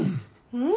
うん。